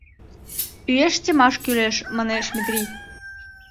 — Уэш темаш кӱлеш, — манеш Метрий.